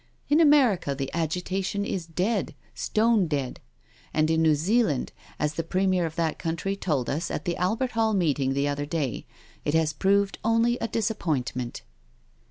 In America the agitation is dead— stone dead— and in New Zealand, as the Premier of that country told us at the Albert Hall meeting the other day, it has proved only a disappointment."